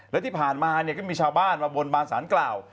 และที่ผ่านมาก็มีชาวบ้านมาบนบางสารกล่าว